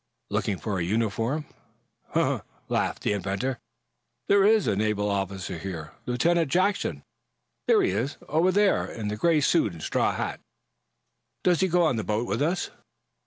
"Looking for a uniform, eh?" laughed the inventor. "There is a naval officer here Lieutenant Jackson. There he is, over there, in the gray suit and straw bat." "Does he go on the boat with us?"